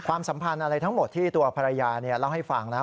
สัมพันธ์อะไรทั้งหมดที่ตัวภรรยาเล่าให้ฟังนะ